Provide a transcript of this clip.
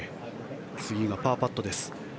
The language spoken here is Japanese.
次がパーパットです。